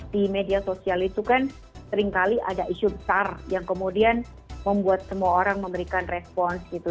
di media sosial itu kan seringkali ada isu besar yang kemudian membuat semua orang memberikan respons gitu